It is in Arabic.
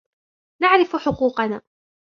نعرف حقوقنا.